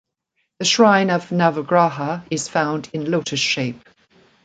The shrine of Navagraha is found in lotus shape.